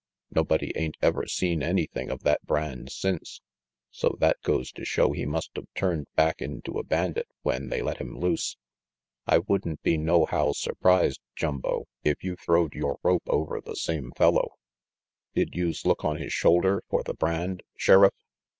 Nobody ain't ever seen anything of that brand since, so that goes to show he must of turned back into a bandit when they let him loose. I wouldn't be nowhow surprised, Jumbo, if you'd throwed yore rope over the same fellow. Did youse look on his shoulder for the brand, Sheriff?"